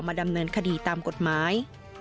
ดำเนินคดีตามกฎหมาย